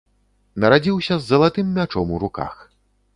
Нарадзіўся з залатым мячом у руках.